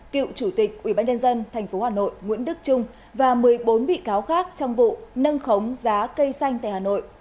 cựu chủ tịch ubnd tp hà nội nguyễn đức trung và một mươi bốn bị cáo khác trong vụ nâng khống giá cây xanh tại hà nội